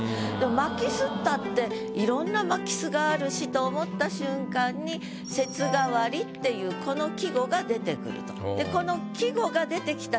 巻き簾ったっていろんな巻き簾があるしと思った瞬間に「節替り」っていうこの季語が出てくると。